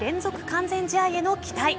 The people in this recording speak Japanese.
完全試合への期待。